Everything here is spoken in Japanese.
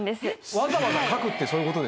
わざわざ書くってそういうこと。